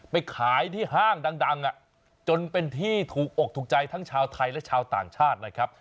ไปขายที่ห้างดังจนเป็นที่ถูกอกถูกใจทั้งชาวไทยและชาวต่างชาตินะครับ